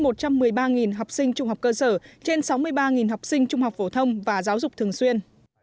trên một trăm một mươi ba học sinh trung học cơ sở trên sáu mươi ba học sinh trung học phổ thông và giáo dục thường xuyên